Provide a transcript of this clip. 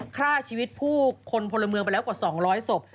ฆ่าชีวิตผู้คนพลเมืองไปแล้วกว่า๒๐๐ศพ